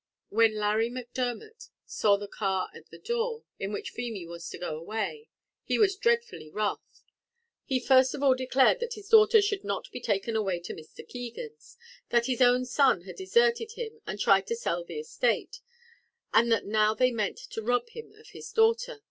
When Larry Macdermot saw the car at the door, in which Feemy was to go away, he was dreadfully wrath. He first of all declared that his daughter should not be taken away to Mr. Keegan's that his own son had deserted him and tried to sell the estate, and that now they meant to rob him of his daughter!